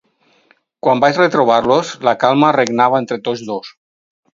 Quan vaig retrobar-los, la calma regnava entre tots dos.